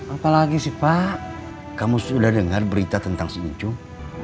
apalagi sih pak kamu sudah dengar berita tentang si lucu